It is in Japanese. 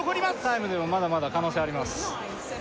タイムでもまだまだ可能性あります